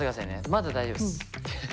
まだ大丈夫です。